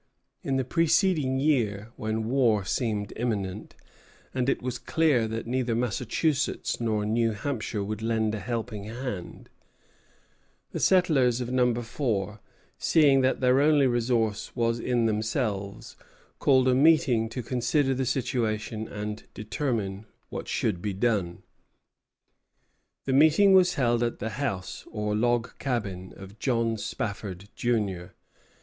In the preceding year, when war seemed imminent, and it was clear that neither Massachusetts nor New Hampshire would lend a helping hand, the settlers of Number Four, seeing that their only resource was in themselves, called a meeting to consider the situation and determine what should be done. The meeting was held at the house, or log cabin, of John Spafford, Jr.